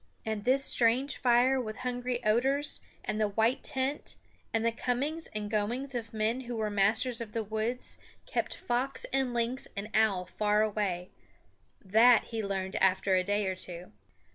And this strange fire with hungry odors, and the white tent, and the comings and goings of men who were masters of the woods kept fox and lynx and owl far away that he learned after a day or two.